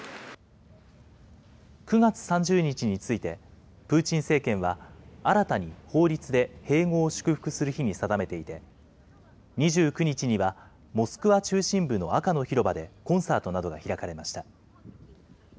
９月３０日について、プーチン政権は、新たに法律で併合を祝福する日に定めていて、２９日にはモスクワ中心部の赤の広場でコンサートなどが開かれました。